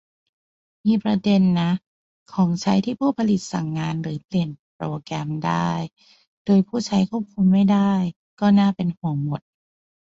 มีประเด็นนะ ของใช้ที่ผู้ผลิตสั่งงานหรือเปลี่ยนโปรแกรมได้ โดยผู้ใช้ควบคุมไม่ได้ ก็น่าเป็นห่วงหมด